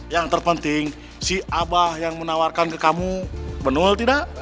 yang terpenting si abah yang menawarkan ke kamu benar tidak